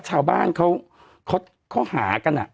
ชาวบ้านเขาเขาหากันอะ